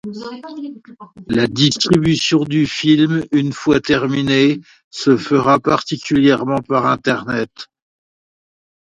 La distribution du film, une fois terminé, se fera particulièrement par internet.